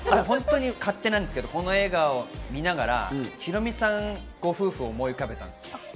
勝手なんですけど、この映画を見ながらヒロミさんご夫婦を思い浮かべたんです。